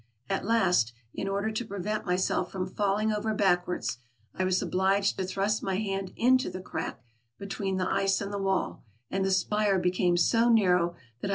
At last, in order to prevent myself from falling over back wards, I was obliged to thrust my hand into the crack be tween the ice and the wall, and the spire became so narrow that I.